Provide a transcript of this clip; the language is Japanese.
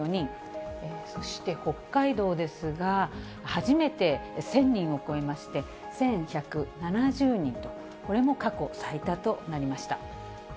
そして北海道ですが、初めて１０００人を超えまして、１１７０人と、これも過去最多となりました。